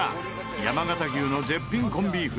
山形牛の絶品コンビーフ